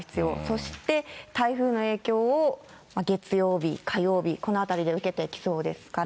そして、台風の影響を月曜日、火曜日、このあたりで受けてきそうですから。